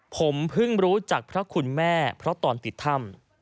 ผมเพิ่งรู้จักพระคุณแม่เพราะตอนติดถ้ำ